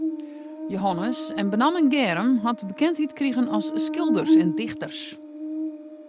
Jehannes en benammen Germ hawwe bekendheid krigen as skilders en dichters.